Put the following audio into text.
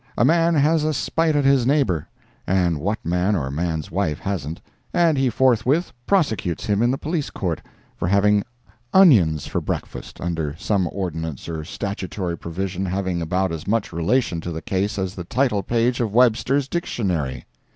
A man has a spite at his neighbor—and what man or man's wife hasn't—and he forthwith prosecutes him in the Police Court, for having onions for breakfast, under some ordinance or statutory provision having about as much relation to the case as the title page of Webster's Dictionary.